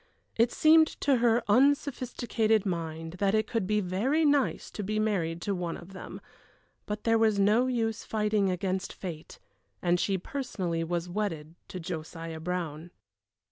It seemed to her unsophisticated mind that it could be very nice to be married to one of them; but there was no use fighting against fate, and she personally was wedded to Josiah Brown.